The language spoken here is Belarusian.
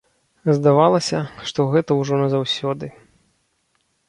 Здавалася, што гэта ўжо назаўсёды.